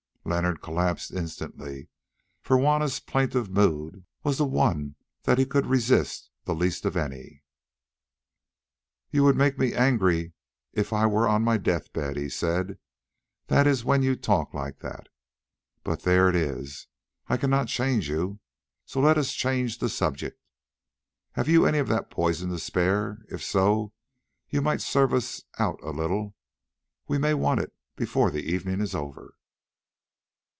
Leonard collapsed instantly, for Juanna's plaintive mood was the one that he could resist the least of any. "You would make me angry if I were on my death bed," he said, "that is, when you talk like that. But there it is, I cannot change you, so let us change the subject. Have you any of that poison to spare? If so, you might serve us out a little; we may want it before the evening is over."